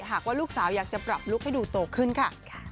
หากว่าลูกสาวอยากจะปรับลุคให้ดูโตขึ้นค่ะ